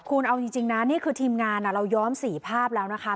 คุณเอาจริงนะนี่คือทีมงานเราย้อม๔ภาพแล้วนะคะ